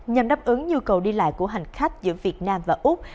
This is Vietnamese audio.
nhằm đáp ứng nhu cầu đi lại của hành khách giữa việt nam và úc